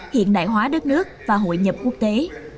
hiện đại hóa đất nước và hội nhập quốc tế